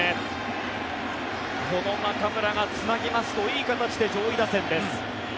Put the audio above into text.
この中村がつなぎますといい形で上位打線です。